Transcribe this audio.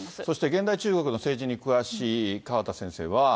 そして、現代中国の政治に詳しい川田先生は。